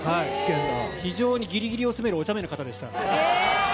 非常にぎりぎりを攻めるおちゃめな方でした。